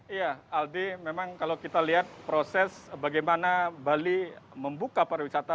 iya aldi memang kalau kita lihat proses bagaimana bali membuka pariwisata